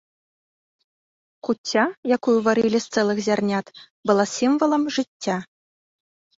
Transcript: Куцця, якую варылі з цэлых зярнят, была сімвалам жыцця.